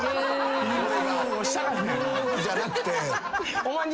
ヌーじゃなくて。